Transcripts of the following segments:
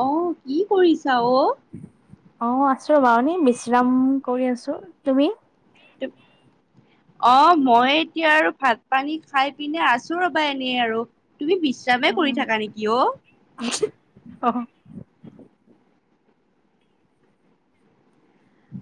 আহ, কি কৰিছা অ'? অ', আছো ৰবা এনে বিশ্ৰাম কৰি আছো, তুমি? ত অ', মই এতিয়া আৰু ভাত পানী খাই পিনে আছো ৰবা এনেই আৰু। তুমি বিশ্ৰাম এ কৰি থাকা নেকি অ'? আহ।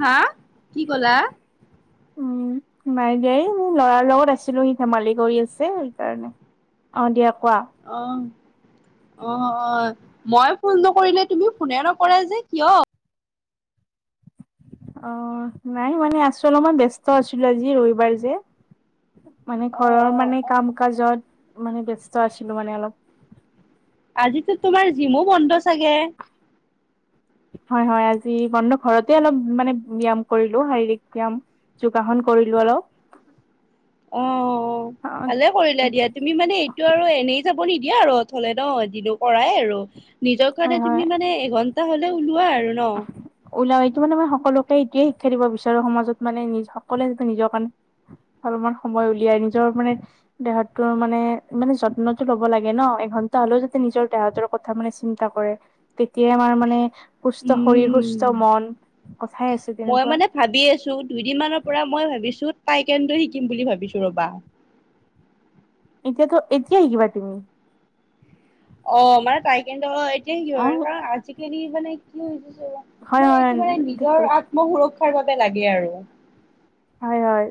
হা, কি ক'লা? উম, নাই দিয়া এই মোৰ ল'ৰাৰ লগত আছিলো, সি ধেমালি কৰি আছে সেইকাৰণে। অ' দিয়ক। আহ। অ', অ', মই ফোন নকৰিলে তুমি ফোনে নকৰা যে, কিয়? অ', নাই মানে আছো অলপমান ব্যস্ত আছিলো আজি ৰবিবাৰ যে। মানে অ ঘৰৰ মানে অ কাম কাজত মানে ব্যস্ত আছিলো মানে অলপ। আজিতো তোমাৰ জিমো বন্ধ চাগে। হয়, হয়, আজি বন্ধ ঘৰতে অলপ মানে ব্যাম কৰিলো, শাৰীৰিক ব্যাম, যোগাসন কৰিলো অলপ। অ', অ ভালে কৰিলা দিয়া তুমি মানে এইটো আৰু এনেই যাব নিদিয়ে আৰু অথলে ন' কৰাই আৰু, নিজৰ কাৰণে তুমি মানে এঘণ্টা হ তে ওলোৱা আৰ। ওলাও, এইটো মানে মই সকলো এইটোৱে শিক্ষা দিব বিচাৰো সমাজত মানে নিজ সকলোৱে যাতে নিজৰ কাৰণে অলপমান সময় উলিয়াই নিজৰ দেহৰ মানে মানে যত্নটো ল'ব লাগে ন' এঘন্টা হ'লেও যাতে নিজৰ দেহতোৰ কথা মানে চিন্তা কৰে, তেতিয়া আমাৰ মানে সুস্থ শৰীৰ, সুস্থ উম মন, কথাই আছে মই তেনেকুৱা। মানে ভাবি আছো দুইদিন মানৰ পৰা মই ভাবিছো তাইকণ্ড শিকিম বুলি ভাবিছো ৰ'বা। এতিয়াতো, এতিয়া শিকিবা তুমি। অ', মানে তাইকেন্ত এতিয়া শিকিব অ পৰা কাৰণ আজিকালি মানে কি হৈছে হয় মানে হয় এইটো মানে ঠিক নিজৰ কৈছা আত্মসুৰক্ষাৰ বাবে লাগে আৰু। হয়, হয়।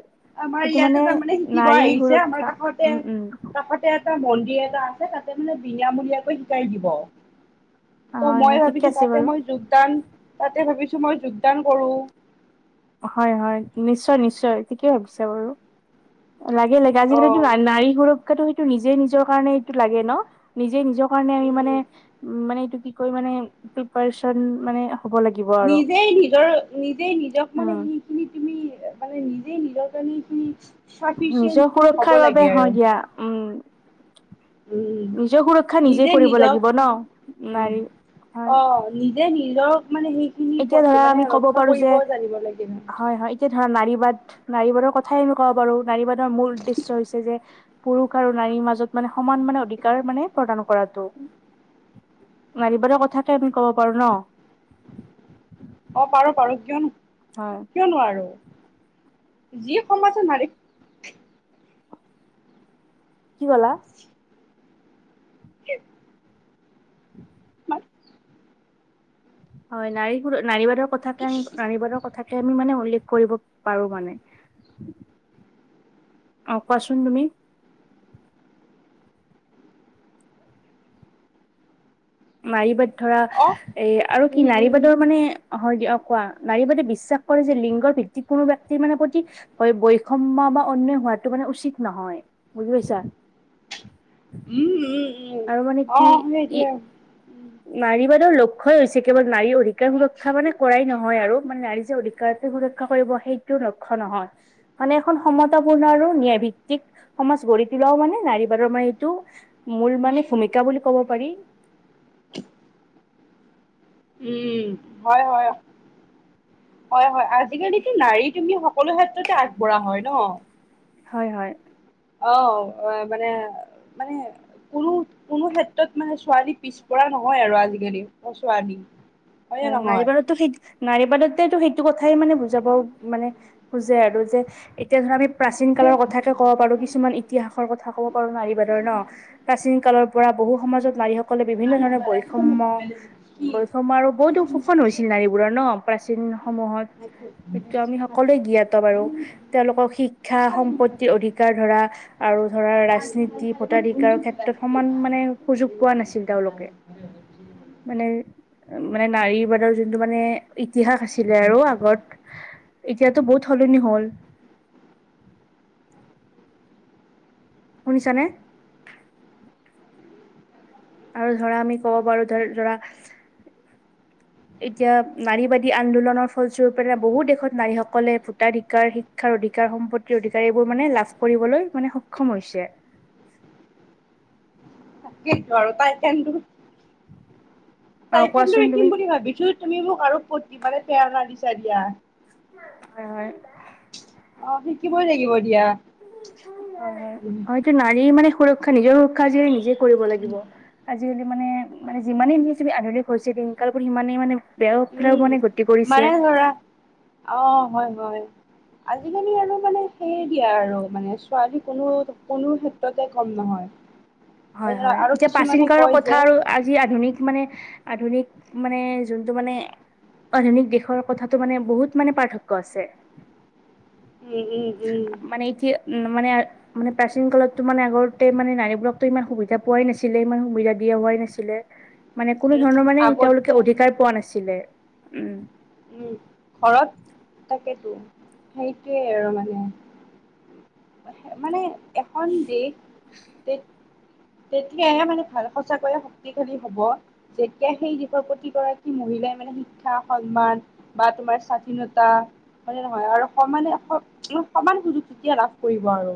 আমাৰ এইটো ইয়াতে মানে তাৰমানে শিকিব নাৰীৰ আহিছে, আমাৰ সুৰক্ষা কাষতে উম উম কাষতে এটা মন্দিৰ এটা আছে, তাতে মানে বিনামূলীয়াকৈ শিকাই দিব। ত হয় হয় মই ঠিকে ভাবিছো আছে তাতে বাৰু মই যোগদান, তাতে ভাবিছো মই যোগদান কৰো। হয়, হয়, নিশ্চয়, নিশ্চয়, ঠিকে ভাবিছা বাৰু। লাগে লাগে অ আজিকালিটো না নাৰী সুৰক্ষাতটো সেইটো নিজে নিজৰ কাৰণে এইটো লাগে ন নিজে নিজক। আমি মানে উম। উ মানে এইটো কি কয় মানে প্ৰিপিয়াৰচন মানে হ'ব লাগিব আৰু নিজেই নিজৰ, নিজেই নিজক। মানে উম সেইখিনি তুমি মানে নিজে নিজৰ কাৰণে ফিকচ। নিজৰ চাফিচিয়েণ্ট হ'ব সুৰক্ষাৰ বাবে লাগে হয় আৰু। দিয়া উম উম নিজৰ সুৰক্ষা নিজে কৰিব লাগিব ন উম নাৰী অ হয়। নিজে নিজক মানে সেইখিনি এতিয়া পথ ধৰা মানে আমি ক'ব ৰক্ষা পাৰো যে কৰিব জানিব লাগে অ হয়, হয়, এতিয়া। ধৰা নাৰীবাদ নাৰীবাদৰ কথাই আমি ক'ব পাৰো নাৰীবাদৰ মূল উদ্দেশ্য হৈছে যে পুৰুষ আৰু নাৰী। মাজত মানে সমান মানে অধিকাৰ মানে প্ৰদান কৰাটো। [unintelligible] নাৰীবাদৰ কথাকে আমি ক'ব পাৰো ন। অ' পাৰো পাৰো কিয় হয় কিয় নোৱাৰো। যি সমাজত নাৰীক। কি ক'লা। [unintelligible] [unintelligible] হয়, নাৰী নাৰীবাদৰ কথা নাৰীবাদৰ কথা আমি মানে উল্লেখ কৰিব পাৰো মানে। অ' কোৱাচোন তুমি। নাৰীবাদ ধৰা অ এ আৰু কি উম নাৰী বাদৰ মানে হয় দিয়ক। কোৱা নাৰীবাদে বিশ্বাস কৰে যে লিংগৰ ভিত্তিক কোনো ব্যক্তিৰ মানে প্ৰতি বৈষম্য বা অন্যয়। সোৱাটো মানে উচিত নহয় বুজি পাইছা। উম, উম, উম, আৰু মানে কি অহ' ই হেইটোৱে। নাৰীবাদৰ লক্ষ্যই হৈছে কেৱল নাৰীৰ অধিকাৰ সুৰক্ষা মানে কৰাই নহয় আৰু মানে নাৰী যে অধিকাৰ সুৰক্ষা কৰিব সেইটো লক্ষ্যয় নহয় মানে এখন সমতাপূৰ্ণ আৰু ন্যায় ভিত্তিক সম গঢ়ি তোলাও মানে নাৰী বাৰৰ মানে এইটো মূল মানে ভূমিকা বুলি ক'ব পাৰি। [inaudible] উম, হয়, হয়, হয়, হয়। আজিকালিতো নাৰী তুমি সকলো ক্ষেত্ৰতে আগবঢ়া হয় ন। হয়, হয়। অ' অ মানে মানে কোনো কোনো ক্ষেত্ৰত মানে ছোৱালী পিছপৰা নহয়। নহয় আৰু আজিকালি ছোৱালী। হয়নে হয় নহয়? নাৰীপাৰততো শীত, নাৰীপাৰততেটো শী এইটো কথাই মানে বুজাব মানে বুজে আৰু যে এতিয়া ধৰা আমি। প্ৰাচীন কালৰ কথাকে ক'ব পাৰো, কিছুমান ইতিহাসৰ কথা ক'ব পাৰো, নাৰীবাদৰ ন প্ৰাচীন কালৰ। পৰা বহু সমাজত নাৰীসকলে বিভিন্ন ধৰণৰ বৈষম্য কি বৈষম্য আৰু। বহুতো শোষণ হৈছিল নাৰীবোৰৰ ন প্ৰাচীন সমূহত। সেইটো আমি সকলোৱে জ্ঞাত বাৰো। তেওঁলোকক শিক্ষা সম্পত্তিৰ অধিকাৰ ধৰা আৰু। ধৰা ৰাজনীতি ভোটাধিকাৰৰ ক্ষেত্ৰত সমান মানে সুযোগ পোৱা নাছিল তেওঁলোকে [unintelligible] মানে উ, মানে নাৰীবাদৰ যোনটো মানে ইতিহাস আছিলে আৰু আগত। এতিয়াতো বহুত সলনি হ'ল। শুনিছানে? আৰু ধৰা আমি ক'ব পাৰো ধৰ ধৰা। [inaudible] এতিয়া নাৰীবাদী আন্দোলনৰ ফলস্বৰূপে বহুত দেশত নাৰীসকলে ভোটাধিকাৰ শিক্ষাৰ অধিক। অধিকাৰ সম্পত্তিৰ অধিকাৰ এইবোৰ মানে লাভ কৰিবলৈ মানে সক্ষম হৈছে। তাকেইতো আৰু তাই কিন্ত অ চাইকেলটো কোৱাচোন তুমি শিকিম বুলি ভাবিছো তুমি মোক। আৰু প্ৰতি বাৰে পেৰনা দিছা দিয়া। হয়, হয়। অ', শিকিবই লাগিব দিয়া। হয়, হয়টো নাৰী মানে সুৰক্ষা নিজৰ সুৰক্ষা যি নিজে কৰিব লাগিব। আজিকালি মানে মানে যিমানেই আধুনিক হৈছে দিনকালবোৰ সিমানেই মানে বেয়া ফালেও উম, মানে গতি কৰিছে মানে ধৰা, অ' হয় হয়। আজিকালি আৰু মানে সেইয়ে দিয়া আৰু মানে ছোৱালী কোনো কোনো ক্ষেত্ৰতে কম নহয়। [inaudible] হয়, হয় আৰু এতিয়া প্ৰাচীন কিছুমানে কালৰ কয় কথা যে আৰু আজি আধুনিক মানে আধুনিক মানে যোনটো মানে আধুনিক দেশৰ কথাটো মানে বহুত মানে পাৰ্থক্য আছে। উম উম উম মানে এতিয়া মানে মানে প্ৰাচীন কালতো মানে আগতে মানে নাৰীবোৰাক ইমান সুবিধা পোৱাই নাছিলে ইমান সুবিধা দিয়া হোৱাই নাছিলে। মানে কোনো উম ধৰণৰ মানে আগতে তেওঁলোকে অধিকাৰ পোৱা নাছিলে উম। উম, ঘৰত থাকেতো সেইটোৱেই আৰু মানে। মানে এখন দেশ তে তেতিয়াহে মানে ভাৰত সচাকৈয়ে শক্তিশালী হ'ব যেতিয়া সেই দেশৰ প্ৰতিগৰাকী মহিলা দিলে মানে শিক্ষা সন্মান বা তোমাৰ স্বাধীনতা হয়নে নহয় আৰু সমানে স-সমান সুযোগ তেতিয়া লাভ কৰিব আৰু।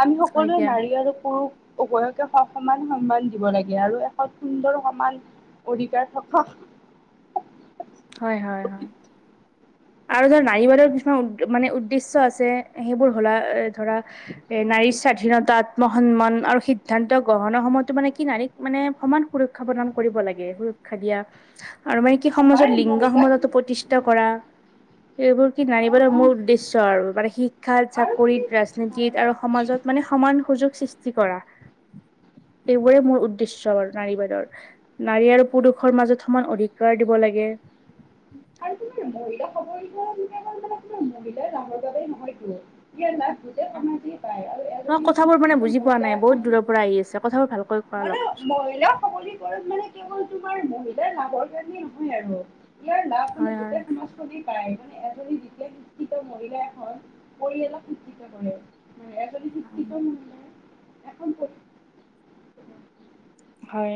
আমি হয় সকলোৱে দিয়া নাৰী আৰু পুৰুষ উভয়কে সমান সন্মান দিব লাগে আৰু এখন সুন্দৰ সমাজ অধিকাৰ থকা [unintelligible] হয়, হয়, হয়। আৰু ধৰা নাৰীবাদৰ কিছুমান মানে উদ্দেশ্য আছে সেইবোৰ হ'লা এ ধৰা এ নাৰীৰ স্বাধীনতা আত্মসন্মান আৰু সিদ্ধান্ত গ্ৰহণৰ সময়তো মানে কি নাৰীক মানে সমান সুৰক্ষা কৰিব লাগে সুৰক্ষা দিয়া আৰু মানে কি আমাৰ সমাজত লিংগ মহিলা সমততো প্ৰতিষ্ঠা কৰা। এইবোৰ কি অ', নাৰিবাদৰ অ', মোৰ উদ্দেশ্য আৰু মানে শিক্ষাত আৰু চাকৰিত মানে হয়, ৰাজনীতিত হয়, আৰু সমাজত মানে সমান সুযোগ সৃষ্টি কৰা। [inaudible] এইবোৰে মোৰ উদ্দেশ্য বাৰু নাজীবাদৰ। নাৰী আৰু পুৰুষৰ মাজত সমান অধিকাৰ দিব লাগে। [inaudible] আৰু তোমাৰ মহিলা সবলীকৰণ মানে তোমাৰ মহিলাৰ লাভৰ বাবে নহয়তো। ইয়াৰ লাভ গোটেই সমাজেই পায় আৰু তোমাৰ এজনী কথাবোৰ মানে শিক্ষিত বুজি পোৱা মহিলা নাই বহুত এখন দূৰৰ পৰা আহি আছে কথাবোৰ ভালকৈ কোৱা মানে অলপ। মহিলা সবলীকৰণ মানে কেৱল তোমাৰ মহিলাৰ লাভৰ কাৰণে নহয় আৰু। হয়, হয়। এজন বিশেষ শিক্ষিত মহিলা হৈ পৰিয়ালক শিক্ষিত কৰে। এজনী শিক্ষিত [unintelligible] এখন হয়।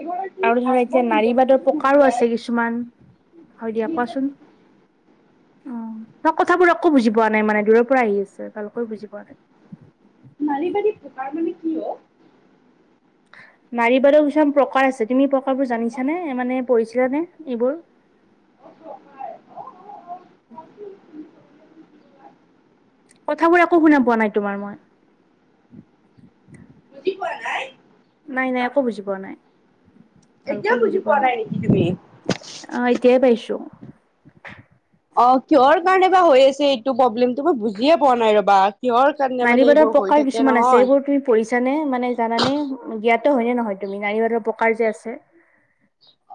এগৰাকী আৰু ধৰা এতিয়া নাৰীবাদৰ আত্মনিৰ্ভৰশীল প্ৰকাৰো মহিলাই আছে কিছুমান। হয়, দিয়া কোৱাচোন? নিজে অ', ত' কথাবোৰ আকো বুজি পোৱা নাই মানে দূৰৰ পৰা আহি আছে ভালকৈ বুজি পোৱা নাই। নাৰীবাৰী প্ৰকাৰ মানে কি অ'? নাৰীবাদৰ কিছুমান প্ৰকাৰ আছে তুমি প্ৰকাৰবোৰ জানিছানে মানে পঢ়িছিলা নে? এইবোৰ? অ', প্ৰকাৰ অ' অ'। [inaudible] কথাবোৰ একো শুনা পোৱা নাই তোমাৰ মই। বুজি পোৱা নাই? নাই নাই একো বুজি পোৱা নাই। ভালকৈ বুজি পোৱা নাই, আহ এতিয়া হে পাইছো। অ' কিহৰ কাৰণে বা হৈ আছে, এইটো প্ৰব্লেমটো মই বুজিয়ে পোৱা নাই ৰবা। কিহৰ কাৰণে মানে নাৰীবাদৰ এইবোৰ হৈ প্ৰকাৰ থাকে কিছুমান আছে, নহয়। সেইবোৰ তুমি পঢ়িছানে মানে জানে জ্ঞাত। হয়নে নহয় তুমি নাৰীবাদৰ প্ৰকাৰ যে আছে।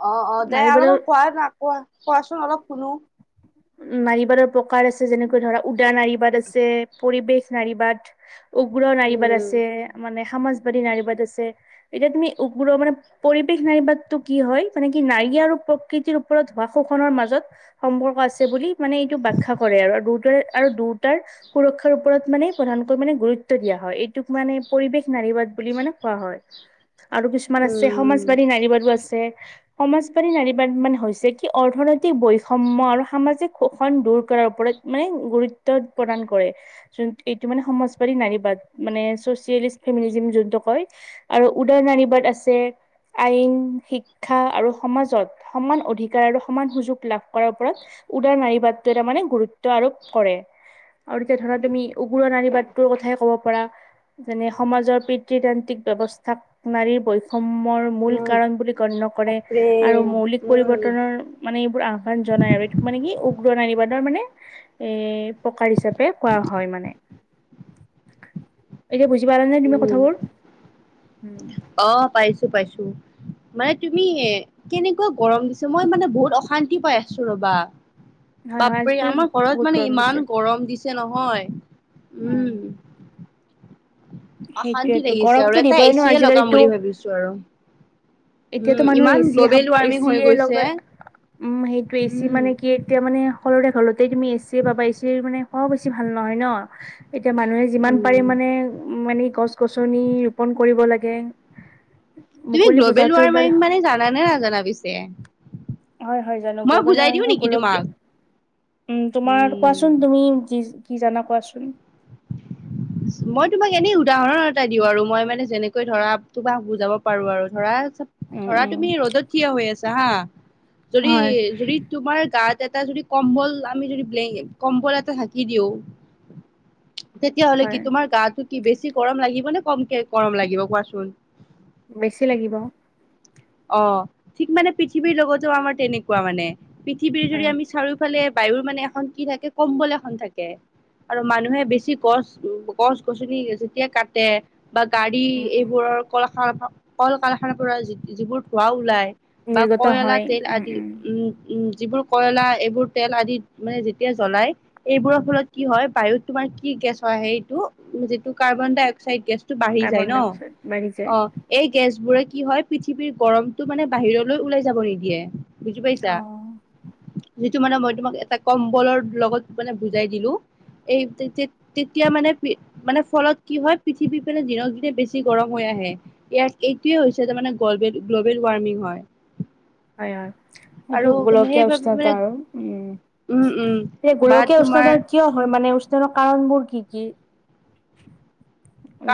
অ' অ' দে নাৰীবাদৰ অলপমান কোৱা ন কোৱা কোৱাচোন অলপ শুনো। উম, নাৰীবাদৰ প্ৰকাৰ আছে যেনেকৈ ধৰা উদা নাৰীবাদ আছে, পৰিৱেশ নাৰীবাদ। উগ্ৰ নাৰীবাদ উম আছে, মানে সমাজবাদী নাৰীবাদ আছে, এতিয়া তুমি উগ্ৰ মানে পৰিৱেশ নাৰী বাদতটো কি হয় মানে কি নাৰী। ই আৰু প্ৰকৃতিৰ ওপৰত হোৱা শোষণৰ মাজত সম্পৰ্ক আছে। বুলি মানে এইটো বাখ্যা কৰে আৰু দুটাৰে আৰু দুয়টাৰ সুৰক্ষাৰ ওপৰত মানে প্ৰধানকৈ মানে গুৰুত্ব। গুৰুত্ব দিয়া হয়, এইটোক মানে পৰিৱেশ নাৰীবাদ বুলি মানে কোৱা হয়। আৰু কিছুমান আছে সমাজবাদী নাৰীবাদও আছে। সমাজবাদী নাৰীবাদ মানে হৈছে কি অৰ্থনৈতিক বৈষম্যৰ আৰু। সামাজিক শোষন দূৰ কৰাৰ ওপৰত মানে গুৰুত্ব প্ৰদান কৰে যোন এইটো মানে সমাজবাদী। নাৰীবাদ মানে চচেলিষ্ট ফেমিজিন যোনটো কয় আৰু উদাৰ নাৰীবাট আছে। আইন শিক্ষা আৰু সমাজত সমান অধিকাৰ আৰু সমান সুযোগ লাভ কৰাৰ ওপৰত। উদাৰ নাৰী বাদটো টো মানে গুৰুত্ব আৰোপ কৰে। আৰু তেতিয়া ধৰা তুমি উগুৰা নাৰী বাটটোৰ কথাই ক'ব পাৰা। যেনে সমাজৰ পিতৃতান্ত্ৰিক ব্যৱস্থাক নাৰীৰ বৈ ওমৰ মূল উম কাৰণ বুলি গণ্য কৰে আৰু মৌলিক উম পৰিৱৰ্তনৰ মানে এইবোৰ আহ্বান জনাই আৰু এইটো। উগ্ৰ নাৰীবাদৰ মানে এ প্ৰকাৰ হিচাপে কোৱা হয় মানে। এতিয়া বুজি পালা নে তুমি উম, কথাবোৰ উম, অ' পাইছো। মানে তুমি কেনেকুৱা গৰম দিছে, মই মানে বহুত অশান্তি পাই আছো ৰব। বা হয় হয় বাপৰে আজিতো আমাৰ ঘৰত বহুত মানে গৰম দিছে ইমান গৰম দিছে। দিছে নহয়, উম। অশান্তি সেইটোয়েতো লাগিছে গৰমতো আৰু এটা দিবই ন এচিয়ে লগাম আজিকালিতো বুলি ভাবিছোঁ আৰু। উম এতিয়াতো মানুহে ইমান এচিয়েহক গ্ল'বেল ৱাৰ্মিং হৈ এচিয়ে গৈছে লগাই উম, সেইটো এচি উম মানে কি এতিয়া মানে। সকলোৰে ঘৰতেই তুমি এচিয়ে পাবা এচিৰ মানে খোৱাও বেছি ভাল নহয় ন। এতিয়া মানুহে যিমান উম পাৰে মানে উ মানে গছ। গছ গছনি ৰোপন কৰিব লাগে। তুমি মুকলি গ্ল'বেল বতাহটোৰ দৰে ৱাৰ্মিং মানে জানা নে নাজানা পিছে। হয়, হয়, জানো মই গ্ল'বেল বুজাই দিওঁ ৱামিং নেকি গোলককে। তোমাক উম, তোমাৰ আৰু উম কোৱাচোন তুমি কি কি জানা কোৱাচোন। মই তোমাক এনেই উদাহৰণ এটা দিওঁ আৰু মই মানে যেনেকৈ ধৰা তোমাক বুজাব পাৰোঁ আৰু ধৰা। উম ধৰা উম তুমি ৰ'দত থিয় হৈ আছা হা যদি হয় যদি তোমাৰ গাত। এটা কম্বল আমি যদি‌ ব্লে কম্বল এটা ধাকি দিওঁ। তেতিয়াহ'লে কি হয় তোমাৰ গাটো কি বেছি গৰম লাগিব নে কমকে গৰম লাগিব কোৱাচোন। বেছি লাগিব। অ' ঠিক মানে পৃথিৱীৰ লগতো আমাৰ তেনেকুৱা মানে পৃথিৱীৰ যদি হয় আমি চাৰিওফালে। বায়ুৰ মানে এখন কি থাকে কম্বল এখন থাকে। আৰু মানুহে বেছি গছ উ গছ গছনি যেতিয়া কাটে। বা গাড়ী উম উম এইবোৰৰ কল কল কাৰখানাৰ পৰা যিবোৰ ধোঁৱা ওলাই। বা নিৰ্গত কয়লা হয় তেল উম আদি উম, উম। যিবোৰ কয়লা এইবোৰ তেল আদি মানে যেতিয়া জ্বলাই এইবোৰৰ ফলত কি হয় বায়ুত তোমাৰ কি। গেছ হয়, সেইটো যিটো কাৰ্বন ডাই অক্সাইড গেছটো বাঢ়ি যায় কাৰ্বন ন ডাই অক্সাইড বাঢ়ি যায় অ' এই। গেছবোৰে কি হয় পৃথিৱীৰ গৰমতটো মানে বাহিৰলৈ ওলাই যাব নিদিয়ে। বুজি পাইছা। অ যিটো মানে মই তোমাক এটা কম্বলৰ লগত মানে বুজাই দিলো। এই তেতিয়া মানে মানে ফলত কি হয় পৃথিৱী পিনে দিনক দিনে বেছি গৰম হৈ আহে। আহে ইয়াৰ এইটোৱে হৈছে যে মানে গ্ল'বেল গ্ল'বেল ৱাৰ্মিং হয়। হয়, হয়, সেইটো আৰু গোলকীয়া সেইবাবে উষ্ণতা মানে আৰু উম। [unintelligible] বা গোলকীয়া তোমাৰ উষ্ণতাৰ কিয় হয় মানে উষ্ণতাৰ কাৰণবোৰ কি কি?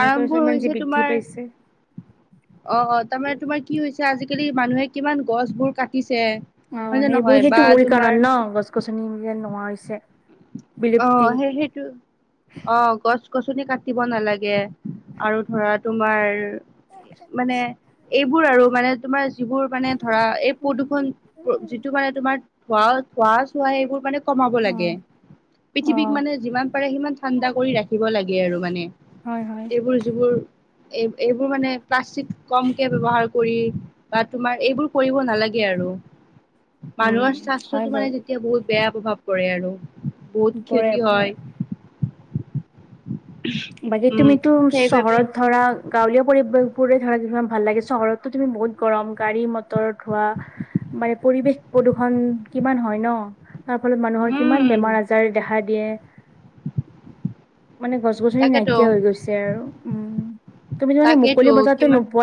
গোলকীয় উষ্ণতা ইমান যে হৈছে বৃদ্ধি তোমাৰ, পাইছে। অ' তাৰমানে তোমাৰ কি হৈছে আজি [unintelligible] মানুহে কিমান গছবোৰ কাটিছ অ' সেইবোৰ সেইটো মূল কাৰণ ন' গছ গছনি যে নোহোৱা হৈছে। বিলুপ্তি। অ' সেই সেইটো অ' গছ গছনি কাটিব নালাগে, আৰু ধৰা তোমাৰ মানে [inaudible] এইবোৰ আৰু মানে তোমাৰ যিবোৰ মানে ধৰা এই প্ৰদূষণ যিটো মানে তোমাৰ ধোৱা চোৱা চোৱা এইবোৰ মানে কমাব লাগে। অ' পৃথিৱীক অ' মানে যিমান পাৰে সিমান ঠাণ্ডা কৰি ৰাখিব লাগে আৰু মানে, হয় হয় এইবোৰ যিবোৰ এ এইবোৰ মানে প্লাষ্টিক কমকে ব্যৱহাৰ কৰি বা তোমাৰ এইবোৰ কৰিব নালাগে আৰু। উম মানুহৰ স্বাস্থ্যতো হয় মানে বাৰু তেতিয়া বহুত বেয়া প্ৰভাৱ পৰে আৰু। বহুত পৰে ক্ষতি পৰে। হয় বাকী উম তুমিটো সেইবাবে চহৰত ধৰা গাঁওলীয়া পৰি [unintelligible] ভাল লাগে চহৰতটো তুমি বহুত গৰম গাড়ী মটৰ ধোৱা মানে পৰিবেশ প্ৰদূষণ কিমান হয় ন'। তাৰ ফলত মানুহৰ কিমান উম বেমাৰ আজাৰ দেখা দিয়ে, মানে গছ গছনি তাকেতো নাইকিয়া হৈ গৈছে আৰু উম, তুমি মানে তাকেইতো মুকলি বতাহটো কিমান নোপোৱা।